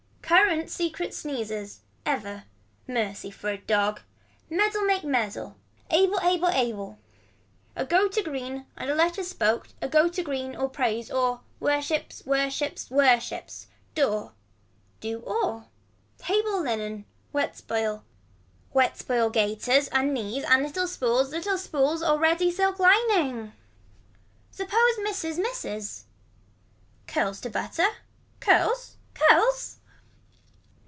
Current secret sneezers. Ever. Mercy for a dog. Medal make medal. Able able able. A go to green and a letter spoke a go to green or praise or Worships worships worships. Door. Do or. Table linen. Wet spoil. Wet spoil gaiters and knees and little spools little spools or ready silk lining. Suppose misses misses. Curls to butter. Curls. Curls.